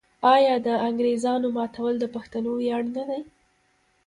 آیا د انګریزامو ماتول د پښتنو ویاړ نه دی؟